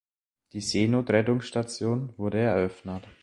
Die Seenotrettungsstation wurde eröffnet.